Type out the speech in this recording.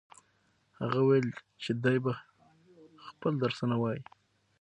هغه وویل چې دی به خپل درسونه وايي.